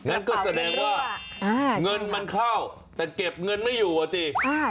งั้นก็แสดงว่าเงินมันเข้าแต่เก็บเงินไม่อยู่อ่ะสิ